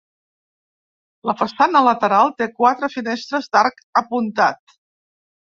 La façana lateral té quatre finestres d'arc apuntat.